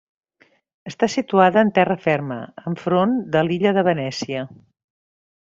Està situada en terra ferma, enfront de l'illa de Venècia.